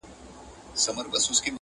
نن به زه هم يا مُلا يا به کوټوال واى،